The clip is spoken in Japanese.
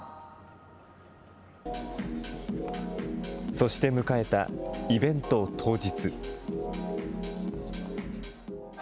そして、迎えたイベント当日。